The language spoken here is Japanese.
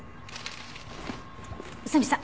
宇佐見さん